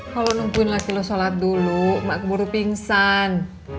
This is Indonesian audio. kalau nungguin laki lu sholat dulu mak keburu pingsan